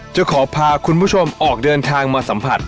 จะขอพาคุณผู้ชมออกเดินทางมาสัมผัส